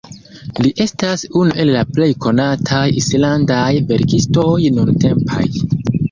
Li estas unu el la plej konataj islandaj verkistoj nuntempaj.